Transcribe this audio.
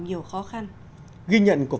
nhiều khó khăn ghi nhận của